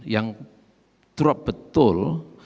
yang drop betul